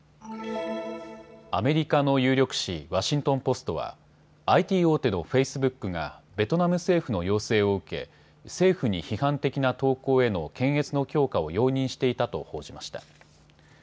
アメリカの有力紙、ワシントン・ポストはＩＴ大手のフェイスブックがベトナム政府の要請を受け政府に批判的な投稿への検閲の強化を容認していたと報じました。